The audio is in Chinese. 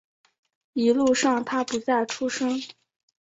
一路上他不再出声